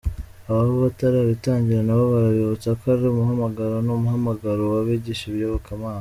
Ababa batarabitangira nabo turabibutsa ko ari umuhamagaro, ni umuhamagaro w’abigisha iyobokamana.